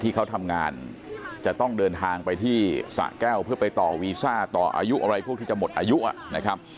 ที่เขาทำงานจะต้องเดินทางไปที่สะแก้วเพื่อไปต่อวีซ่าต่ออายุอะไรพวกที่จะหมดอายุนะครับ